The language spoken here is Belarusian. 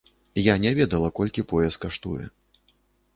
Я не ведала, колькі пояс каштуе.